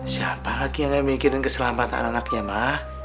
siapa lagi yang nggak mikirin keselamatan anak anaknya ma